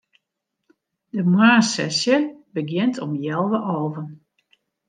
De moarnssesje begjint om healwei alven.